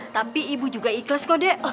tapi ibu juga ikhlas kok dek